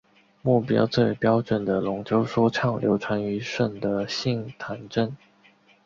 目前最为标准的龙舟说唱流传于顺德杏坛镇。